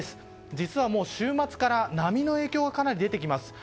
実はもう週末から波の影響がかなり出てきます。